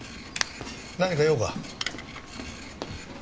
何か用か？